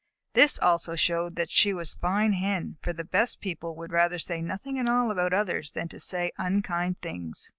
This also showed that she was a fine Hen, for the best people would rather say nothing at all about others than to say unkind things.